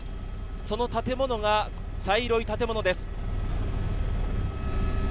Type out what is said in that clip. その建物が茶色い建物です。